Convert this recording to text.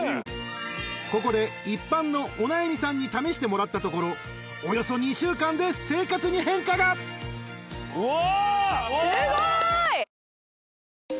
［ここで一般のお悩みさんに試してもらったところおよそ２週間で生活に変化が］うわ！